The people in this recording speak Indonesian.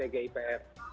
tapi yang kedua